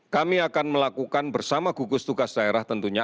kami akan melakukan bersama gugus tugas daerah tentunya